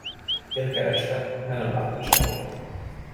Billt kereste, de nem látta sehol.